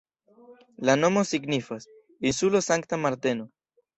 La nomo signifas "insulo Sankta Marteno".